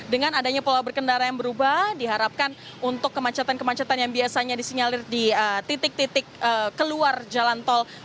dengan adanya pola berkendara yang berubah diharapkan untuk kemacetan kemacetan yang biasanya disinyalir di titik titik keluar jalan tol